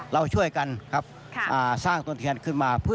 เราช่วยกันสร้างตรงที่กันขึ้นมา